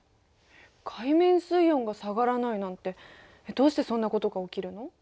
海面水温が下がらないなんてどうしてそんなことが起きるの？